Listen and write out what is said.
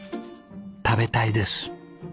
食べたいです。